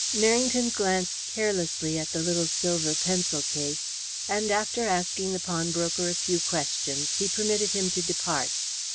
Merrington glanced carelessly at the little silver pencil case, and after asking the pawnbroker a few questions he permitted him to depart.